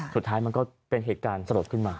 สุดท้ายมันก็เป็นเหตุการณ์สลดขึ้นมา